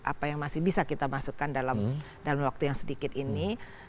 apa yang masih bisa kita masukkan dalam waktu yang sedikit ini